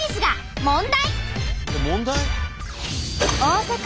問題？